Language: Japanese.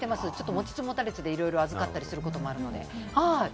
持ちつ持たれつで預かったりすることもあるので。